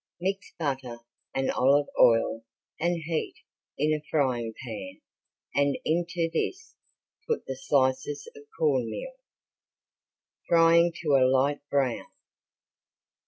Mix butter and olive oil and heat in a frying pan and into this put the slices of corn meal, frying to a light brown.